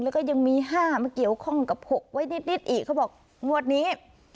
แล้วก็ยังมี๕มาเกี่ยวข้องกับ๖ไว้นิดอีกเขาบอกงวดนี้